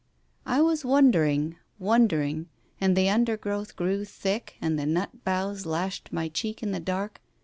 I was wondering, wondering, and the undergrowth grew thick and the nut boughs lashed my cheek in .the dark.